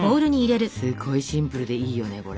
すごいシンプルでいいよねこれ。